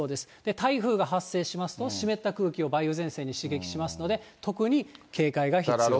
台風が発生しますと、湿った空気を梅雨前線に刺激しますので、特に警戒が必要と。